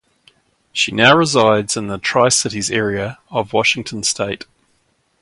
She now resides in the Tri-Cities area of Washington State.